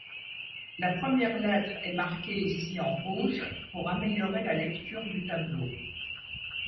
La première lettre est marquée ici en rouge pour améliorer la lecture du tableau.